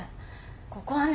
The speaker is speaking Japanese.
ここはね